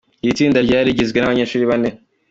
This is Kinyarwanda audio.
Iri tsinda ryari rigizwe n’abanyeshuiri bane.